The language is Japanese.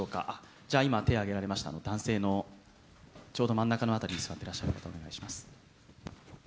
じゃ、今、手を挙げられました男性の、ちょうど真ん中の辺りに座ってらっしゃる方お願いします。